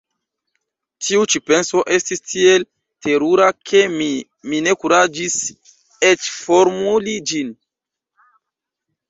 Tiu ĉi penso estis tiel terura, ke mi ne kuraĝis eĉ formuli ĝin.